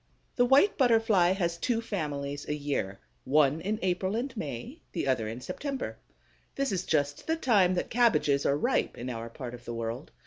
The White Butterfly has two families a year: one in April and May, the other in September. This is just the time that cabbages are ripe in our part of the world.